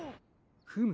フム。